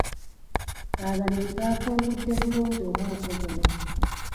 Abalimi baakungudde bulungi omwaka guno.